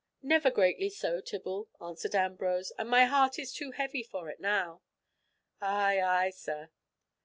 "Never greatly so, Tibble," answered Ambrose. "And my heart is too heavy for it now." "Ay, ay, sir.